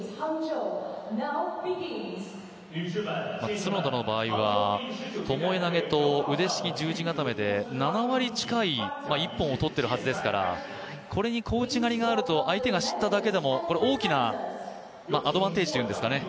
角田の場合は、ともえ投げと腕ひしぎ十字固めで７割近い一本を取っているはずですから、これに小内刈りがあると相手が知っただけでも大きなアドバンテージというんですかね。